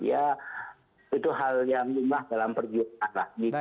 ya itu hal yang lumah dalam perjuangan